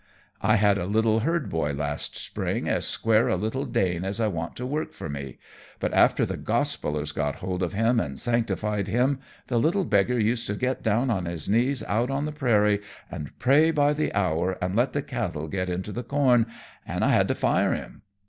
I had a little herdboy last spring, as square a little Dane as I want to work for me, but after the Gospellers got hold of him and sanctified him, the little beggar used to get down on his knees out on the prairie and pray by the hour and let the cattle get into the corn, an' I had to fire him.